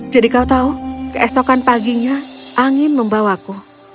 jadi kau tahu keesokan paginya angin membawaku